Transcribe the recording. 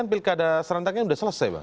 pilkada serantaknya sudah selesai